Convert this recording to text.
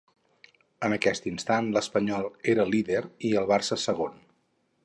En aquest instant, l'Espanyol era líder i el Barça segon.